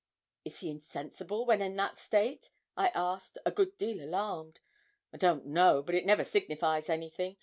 'Is he insensible when in that state?' I asked, a good deal alarmed. 'I don't know; but it never signifies anything.